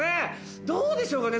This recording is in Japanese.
どうでしょうかね？